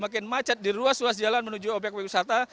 makin macet di ruas ruas jalan menuju obyek wisata